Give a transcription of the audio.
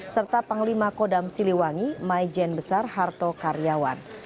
serta panglima kodam siliwangi mai jen besar harto karyawan